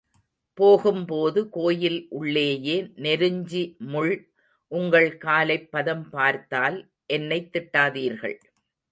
போகும்போது, கோயில் உள்ளேயே நெருஞ்சிமுள் உங்கள் காலைப் பதம் பார்த்தால் என்னைத் திட்டாதீர்கள்.